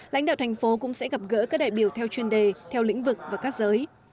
lãnh đạo thành phố cũng sẽ gặp gỡ các đại biểu theo chuyên đề theo lĩnh vực và các giới